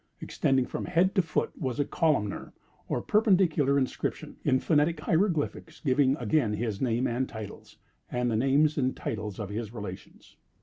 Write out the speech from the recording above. Extending from head to foot was a columnar, or perpendicular, inscription, in phonetic hieroglyphics, giving again his name and titles, and the names and titles of his relations.